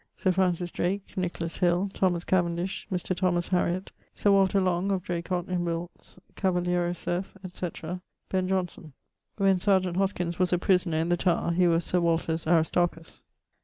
Sir Francis Drake. Nicholas Hill. Cavendish. Mr. Thomas Hariot. Sir Walter Long, of Dracot in Wilts. Cavaliero Surff, etc. Ben: Johnson. When Serjeant Hoskyns was a prisoner in the Tower, he was Sir Walter's Aristarchus.